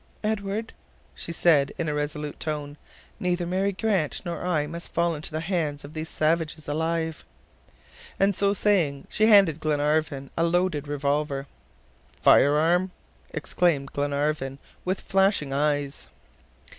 "Edward," she said in a resolute tone, "neither Mary Grant nor I must fall into the hands of these savages alive!" And so saying, she handed Glenarvan a loaded revolver. "Fire arm!" exclaimed Glenarvan, with flashing eyes.